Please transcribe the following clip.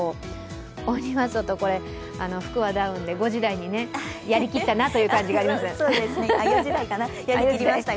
鬼は外、これは服はダウンで５時台にやりきったという感じがありましたが。